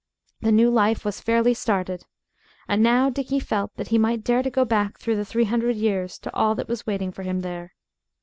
The new life was fairly started. And now Dickie felt that he might dare to go back through the three hundred years to all that was waiting for him there.